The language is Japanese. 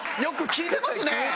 よく聞いてますね。